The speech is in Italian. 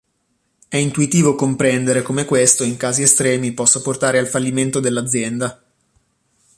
È intuitivo comprendere come questo in casi estremi possa portare al fallimento dell'azienda.